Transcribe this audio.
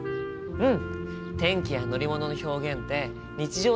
うん。